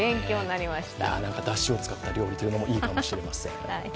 だしを使った料理もいいかもしれません。